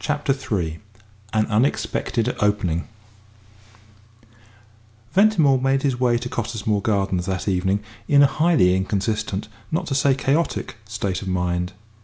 CHAPTER III AN UNEXPECTED OPENING Ventimore made his way to Cottesmore Gardens that evening in a highly inconsistent, not to say chaotic, state of mind.